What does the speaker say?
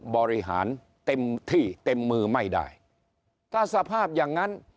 บริหารเต็มที่เต็มมือไม่ได้ถ้าสภาพอย่างนั้น